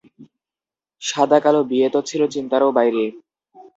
সাদা কালো বিয়ে তো ছিল চিন্তারও বাইরে।